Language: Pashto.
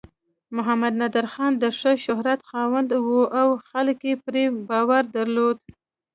محمد نادر خان د ښه شهرت خاوند و او خلک یې پرې باور درلود.